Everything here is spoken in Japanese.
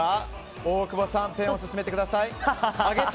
大久保さんペンを進めてください。